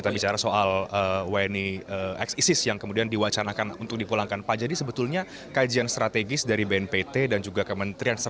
bapak komjen paul soehardi alius